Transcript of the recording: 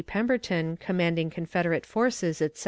Pemberton, commanding Confederate forces, etc.